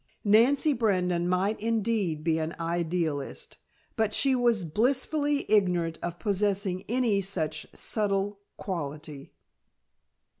Nancy Brandon might indeed be an idealist, but she was blissfully ignorant of possessing any such subtle quality.